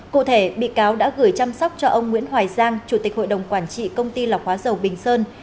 cụ thể bị cáo đã gửi chăm sóc cho ông nguyễn hoài giang chủ tịch hội đồng quản trị công ty lọc hóa dầu bình sơn